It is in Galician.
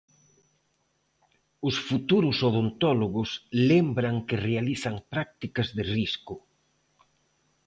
Os futuros odontólogos lembran que realizan prácticas de risco.